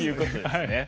はい。